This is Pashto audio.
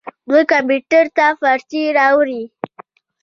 دوی کمپیوټر ته فارسي راوړې.